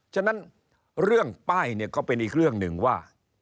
ฉะนั้นเรื่องป้ายเนี่ยก็เป็นอีกเรื่องหนึ่งว่า